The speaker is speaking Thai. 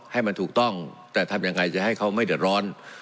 ให้มันถูกต้องแต่ทำยังไงจะให้เขาไม่เดือดร้อน